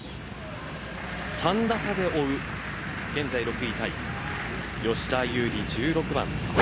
３打差で追う現在６位タイ吉田優利、１６番。